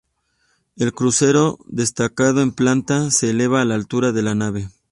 El crucero, destacado en planta, se eleva a la altura de la nave.